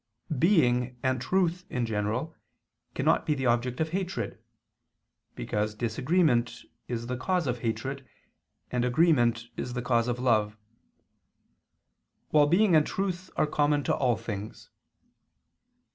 Being and truth in general cannot be the object of hatred: because disagreement is the cause of hatred, and agreement is the cause of love; while being and truth are common to all things.